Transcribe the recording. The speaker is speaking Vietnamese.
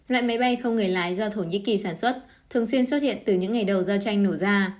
loại máy bay không người lái do thổ nhĩ kỳ sản xuất thường xuyên xuất hiện từ những ngày đầu giao tranh nổ ra